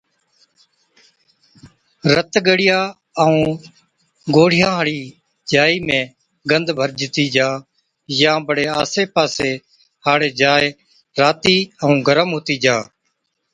رت ڳڙِيان ائُون گوڙهِيان هاڙِي جائِي ۾ گند ڀرجتِي جا يان بڙي آسي پاسي هاڙِي جاءِ راتِي ائُون گرم هُتِي جا